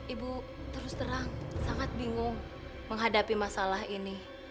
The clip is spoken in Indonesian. ibu terus terang sangat bingung menghadapi masalah ini